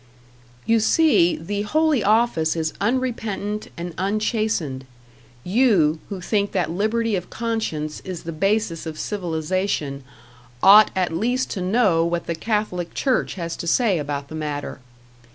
You see, the Holy Office is unrepentant and unchastened. You, who think that liberty of conscience is the basis of civilization, ought at least to know what the Catholic Church has to say about the matter.